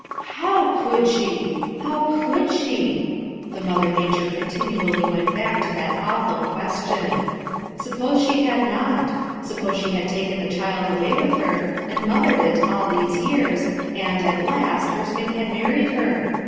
"How could she! How con Id she I" The mother nature continually went back to that awful question. Suppose ,shc had not? Sup pose she had taken the child away with her, and mothered it all these years, and, at last, Erskine had man ied her?